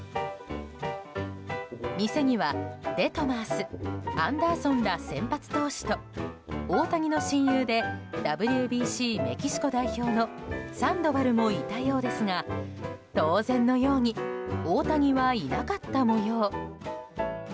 店には、デトマースアンダーソンら先発投手と大谷の親友でＷＢＣメキシコ代表のサンドバルもいたようですが当然のように大谷はいなかった模様。